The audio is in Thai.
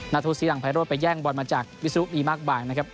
นาธุศรีหลังไพรโรดไปแย่งบอลมาจากวิสูรุดีมากบ่ายนะครับ